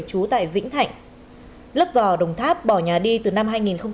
trú tại vĩnh thạnh lớp vò đồng tháp bỏ nhà đi từ năm hai nghìn một mươi năm